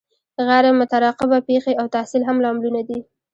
غیر مترقبه پیښې او تحصیل هم لاملونه دي.